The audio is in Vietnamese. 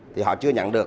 thì họ chưa nhận được